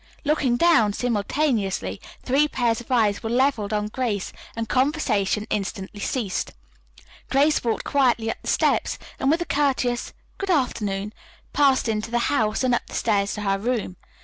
Looking down, simultaneously, three pairs of eyes were leveled on Grace and conversation instantly ceased. Grace walked quietly up the steps and, with a courteous "good afternoon," passed into the house and up the stairs to her room.